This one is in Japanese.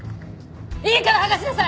いいから剥がしなさい！